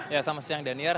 selamat siang daniar